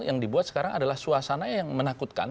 yang dibuat sekarang adalah suasana yang menakutkan